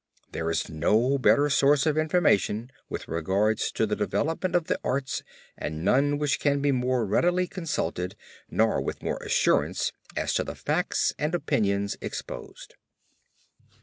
There is no better source of information with regard to the development of the arts and none which can be more readily consulted nor with more assurance as to the facts and opinions exposed.